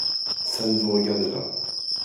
Ça ne vous regarde pas.